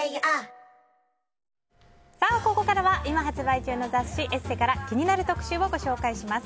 ここからは今発売中の雑誌「ＥＳＳＥ」から気になる特集をご紹介します。